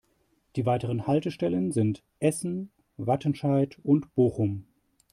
Die weiteren Haltestellen sind Essen, Wattenscheid und Bochum.